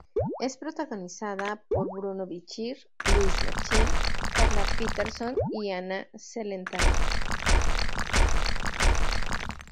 Es protagonizada por Bruno Bichir, Luis Machín, Carla Peterson y Ana Celentano.